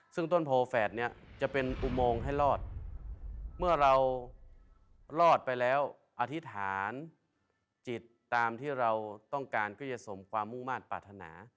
ซึ่งต้นโพแฝดเนี่ยจะเป็นอุโมงให้รอดเมื่อเรารอดไปแล้วอธิษฐานจิตตามที่เราต้องการก็จะสมความมุ่งมาตรปรารถนา